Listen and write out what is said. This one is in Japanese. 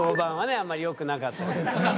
あんまりよくなかったみたいですね